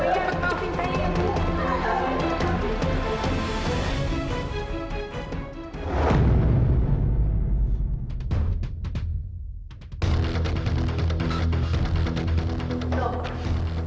kenapa ini pak